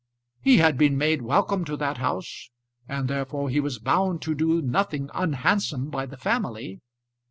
He had been made welcome to that house, and therefore he was bound to do nothing unhandsome by the family.